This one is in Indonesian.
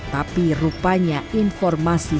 tapi rupanya informasi